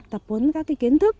tập huấn các cái kiến thức